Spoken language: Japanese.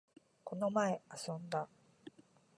この前、遊んだ